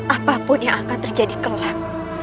apapun yang akan terjadi kelak